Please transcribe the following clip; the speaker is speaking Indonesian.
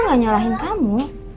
aku gak nyalahin kamu